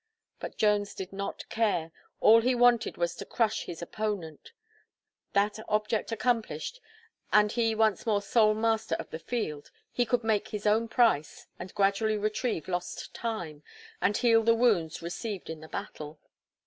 But Jones did not care; all he wanted was to crush his opponent that object accomplished, and he once more sole master of the field, he could make his own price, and gradually retrieve lost time, and heal the wounds received in the battle.